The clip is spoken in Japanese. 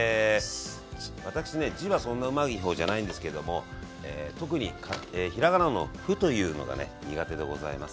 私ね字はそんなうまい方じゃないんですけれども特にひらがなの「ふ」というのがね苦手でございます。